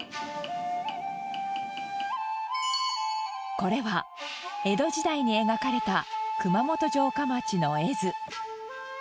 これは江戸時代に描かれた熊本城下町の絵図。